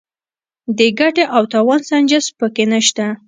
د ګټې او تاوان سنجش پکې نشته.